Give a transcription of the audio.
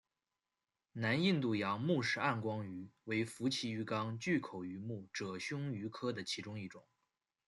南印度洋穆氏暗光鱼为辐鳍鱼纲巨口鱼目褶胸鱼科的其中一种。